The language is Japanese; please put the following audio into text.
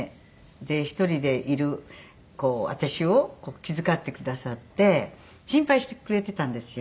で１人でいる私を気遣ってくださって心配してくれてたんですよ。